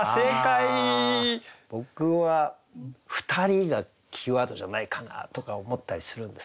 僕は「ふたり」がキーワードじゃないかなとか思ったりするんですけどね。